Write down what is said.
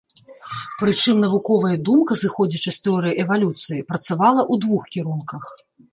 Прычым навуковая думка, зыходзячы з тэорыі эвалюцыі, працавала ў двух кірунках.